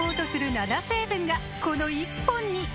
７成分がこの１本に！